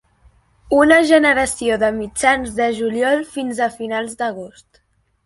Una generació de mitjans de juliol fins a finals d'agost.